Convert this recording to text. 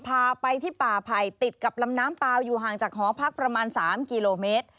พาไปที่ป่าไผ่ติดกับลำน้ำเปล่าอยู่ห่างจากหอพักประมาณ๓กิโลเมตร